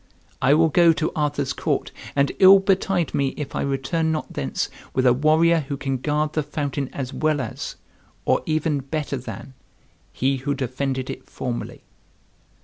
I will go to Arthur's court, and ill betide me if I return not thence with a warrior who can guard the fountain as well as, or even better than, he who defended it formerly."